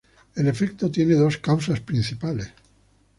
El efecto tiene dos causas principales.